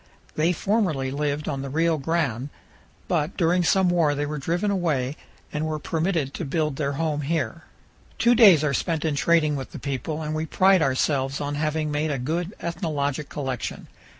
They formerly lived on the Rio Grande, but during some war they were driven away and were permitted to build their home here. Two days are spent in trading with the people, and we pride ourselves on having made a good ethnologic collection.